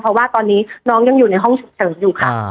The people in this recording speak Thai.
เพราะว่าตอนนี้น้องยังอยู่ในห้องฉุกเฉินอยู่ค่ะ